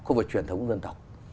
không phải truyền thống của dân tộc